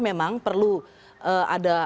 memang perlu ada